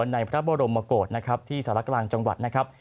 ในพระบรมโกศนะครับที่สารกลางจังหวัดนะครับ